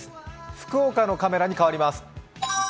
福岡のカメラに変わります。